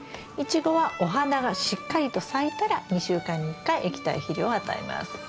イチゴはお花がしっかりと咲いたら２週間に１回液体肥料を与えます。